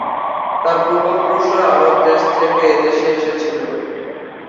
তাঁর পূর্বপুরুষরা আরব দেশ থেকে এদেশে এসেছিল।